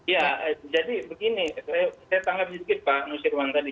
ya jadi begini saya tanggap sedikit pak nusirwan tadi